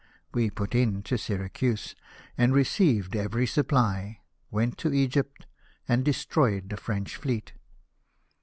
We put into Syracuse, and received every supply; went to Egypt, and destroyed the French fleet.